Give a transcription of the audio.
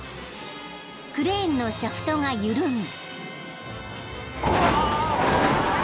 ［クレーンのシャフトが緩み］